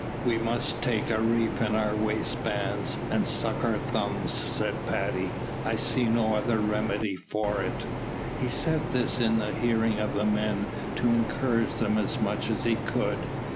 "We must take a reef in our waistbands, and suck our thumbs," said Paddy. "I see no other remedy for it." He said this in the hearing of the men, to encourage them as much as he could.